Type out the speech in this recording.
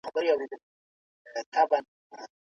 اسلام د بې عدالتۍ سره کلکه مبارزه کوي.